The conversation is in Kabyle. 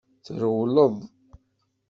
Trewled.